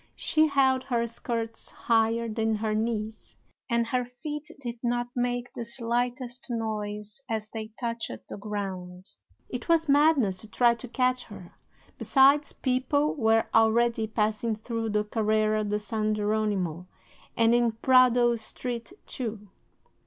She held her skirts higher than her knees, and her feet did not make the slightest noise as they touched the ground. "'It was madness to try to catch her. Besides, people were already passing through the Carrera de San Jeronimo, and in Prado Street, too.